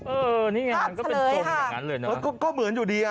เออนี่ไงมันก็เป็นทรงอย่างนั้นเลยนะก็เหมือนอยู่ดีอ่ะ